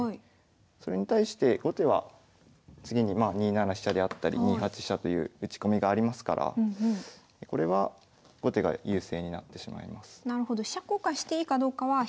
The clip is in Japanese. それに対して後手は次に２七飛車であったり２八飛車という打ち込みがありますからこれは後手が優勢になってしまいます。